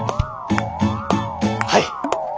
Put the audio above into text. はい！